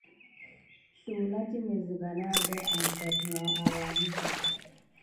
Sluwa na timé siga nada an totiwiéké tät kudukune.